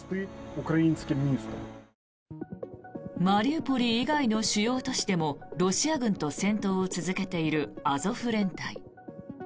マリウポリ以外の主要都市でもロシア軍と戦闘を続けているアゾフ連隊。